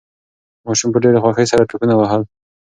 ماشوم په ډېرې خوښۍ سره ټوپونه وهل.